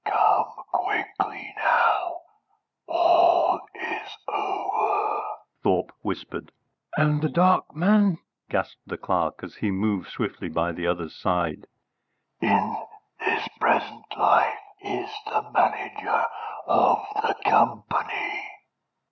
"Come quickly now all is over!" Thorpe whispered. "And the dark man ?" gasped the clerk, as he moved swiftly by the other's side. "In this present life is the Manager of the company."